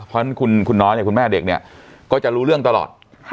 เพราะฉะนั้นคุณน้อยเนี่ยคุณแม่เด็กเนี่ยก็จะรู้เรื่องตลอด